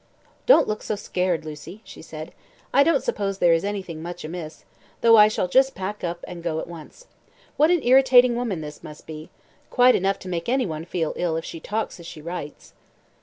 "Don't look so scared, Lucy," she said. "I don't suppose there is anything much amiss, though I shall just pack up and go at once. What an irritating woman this must be quite enough to make any one ill if she talks as she writes."